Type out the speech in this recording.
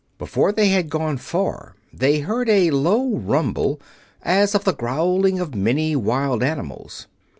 Before they had gone far they heard a low rumble, as of the growling of many wild animals.